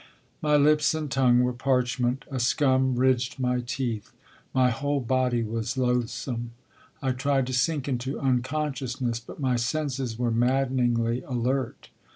My lips and tongue were parchment. A scum ridged my teeth. My whole body was loathsome. I tried to sink into unconsciousness, but my senses were maddeningly alert.